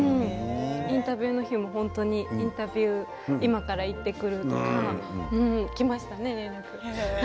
インタビューの日もインタビュー今から行ってくるとかきましたね、連絡。